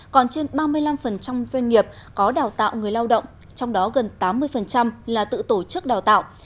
năm mươi năm doanh nghiệp có đào tạo người lao động trong đó gần tám mươi là tự tổ chức đào tạo